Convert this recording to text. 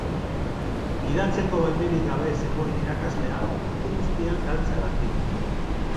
Gidatzeko baimenik gabe zegoen irakaslea puntu guztiak galtzeagatik.